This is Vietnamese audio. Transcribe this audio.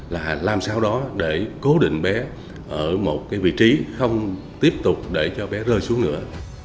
là làm sao đó để cố định bé ở một cái vị trí không tiếp tục để cho bé rơi xuống nữa